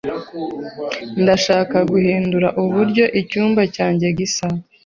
Ndashaka guhindura uburyo icyumba cyanjye gisa.